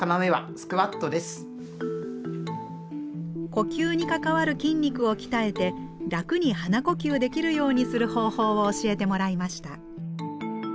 呼吸に関わる筋肉を鍛えて楽に鼻呼吸できるようにする方法を教えてもらいました。